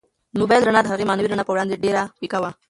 د موبایل رڼا د هغې معنوي رڼا په وړاندې ډېره پیکه وه.